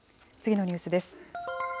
次のニュースです。